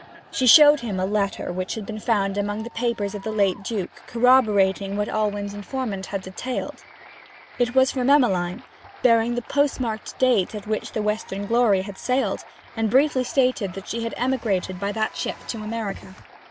She showed him a letter which had been found among the papers of the late Duke, corroborating what Alwyn's informant had detailed. It was from Emmeline, bearing the postmarked date at which the Western Glory sailed, and briefly stated that she had emigrated by that ship to America.